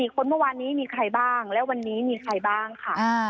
คนเมื่อวานนี้มีใครบ้างและวันนี้มีใครบ้างค่ะ